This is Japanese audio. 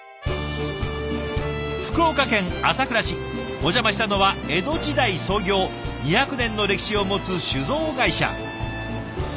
お邪魔したのは江戸時代創業２００年の歴史を持つ酒造会社。